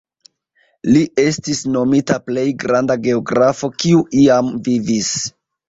Li estis nomita plej granda geografo kiu iam vivis.